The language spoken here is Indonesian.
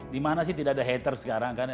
dimana sih tidak ada hater sekarang kan ya